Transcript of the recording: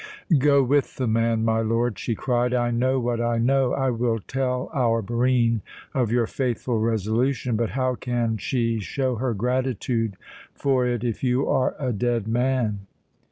"Go with the man, my lord!" she cried. "I know what I know. I will tell our Barine of your faithful resolution; but how can she show her gratitude for it if you are a dead man?"